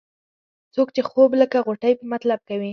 څوک چې خوب لکه غوټۍ په طلب کوي.